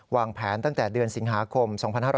วางแผนตั้งแต่เดือนสิงหาคม๒๕๕๙